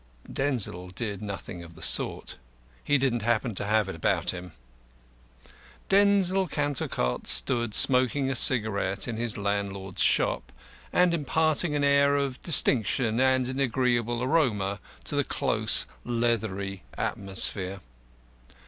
Denzil did nothing of the sort. He didn't happen to have it about him. Denzil Cantercot stood smoking a cigarette in his landlord's shop, and imparting an air of distinction and an agreeable aroma to the close leathery atmosphere.